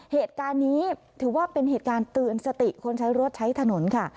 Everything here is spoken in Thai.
เหตุการณ์นี้ถือว่าเป็นเหตุการณ์เตือนสติคนใช้รถใช้ถนนค่ะ